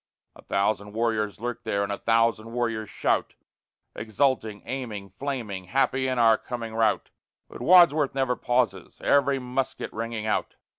A thousand warriors lurk there, and a thousand warriors shout, Exulting, aiming, flaming, happy in our coming rout; But Wadsworth never pauses, every musket ringing out.